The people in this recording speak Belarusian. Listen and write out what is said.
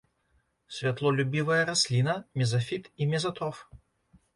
Святлолюбівая расліна, мезафіт і мезатроф.